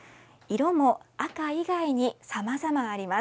色も赤意外にさまざまあります。